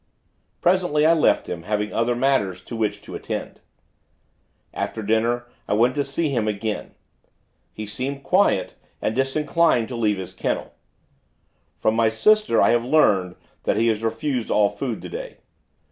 Presently, I left him, having other matters to which to attend. After dinner, I went to see him, again. He seemed quiet, and disinclined to leave his kennel. From my sister, I have learnt that he has refused all food today.